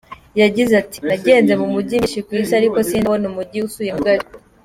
Yagize ati “Nagenze mu mijyi myinshi ku Isi ariko sindabona umujyi usukuye nka Kigali.